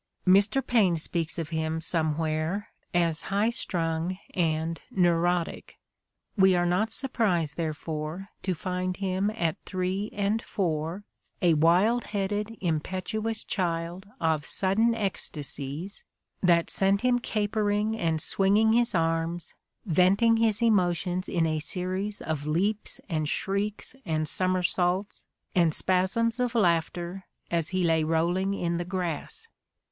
Mr. The Candidate for Life 31 Paine speaks of him somewhere as "high strung and neurotic. '' We are not surprised, therefore, to find him at three and four "a wild headed, impetuous child of sudden ecstasies that sent him capering and swinging his arms, venting his emotions in a series of leaps and shrieks and somersaults, and spasms of laughter as he lay rolling in the grass.